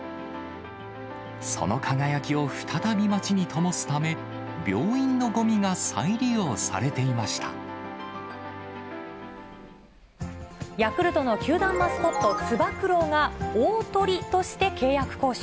その輝きを再び街にともすため、病院のごみが再利用されていましヤクルトの球団マスコット、つば九郎が、大トリとして契約交渉。